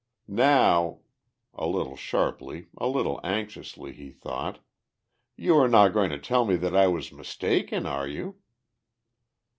Now," a little sharply, a little anxiously, he thought, "you are not going to tell me that I was mistaken, are you?"